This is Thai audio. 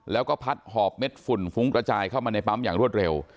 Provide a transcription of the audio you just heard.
แล้วก็พัดหอบเม็ดฝุ่นฟุ้งกระจายเข้ามาในปั๊มอย่างรวดเร็ว